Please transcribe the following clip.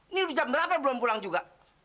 ini udah jam berapa belum pulang juga